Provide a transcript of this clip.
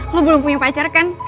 lo belum punya pacar kan